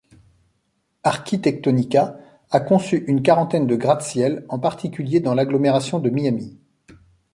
Arquitectonica a conçu une quarantaine de gratte-ciel en particulier dans l'agglomération de Miami.